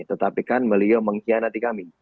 tetapi kan beliau mengkhianati kami